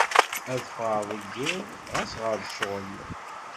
Ad fɣeɣ deg yiḍ ɣas ɣer cɣel.